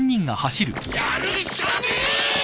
やるしかねぇ！